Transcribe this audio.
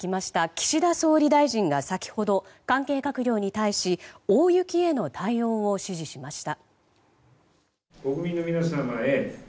岸田総理大臣が先ほど関係閣僚に対し大雪への対応を指示しました。